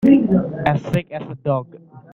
As sick as a dog.